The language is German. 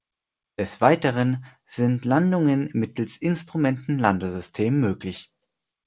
Des Weiteren sind Landungen mittels Instrumentenlandesystem möglich.